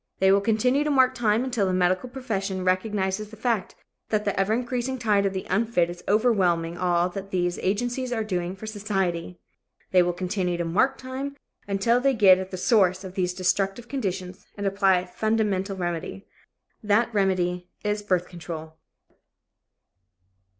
They will continue to mark time until the medical profession recognizes the fact that the ever increasing tide of the unfit is overwhelming all that these agencies are doing for society. They will continue to mark time until they get at the source of these destructive conditions and apply a fundamental remedy. That remedy is birth control.